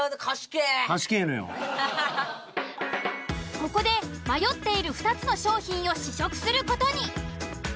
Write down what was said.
ここで迷っている２つの商品を試食する事に。